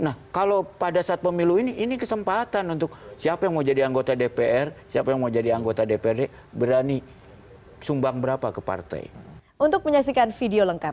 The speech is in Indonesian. nah kalau pada saat pemilu ini ini kesempatan untuk siapa yang mau jadi anggota dpr siapa yang mau jadi anggota dprd berani sumbang berapa ke partai